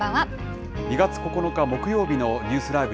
２月９日木曜日のニュースＬＩＶＥ！